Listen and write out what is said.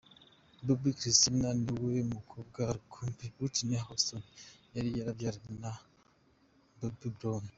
Bobbi Kristina ni we mukobwa rukumbi Whitney Houston yari yarabyaranye na Bobby Brown.